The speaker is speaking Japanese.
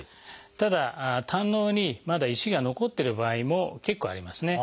ただ胆のうにまだ石が残ってる場合も結構ありますね。